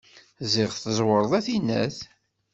Ziɣ tẓẓewreḍ a tinnat.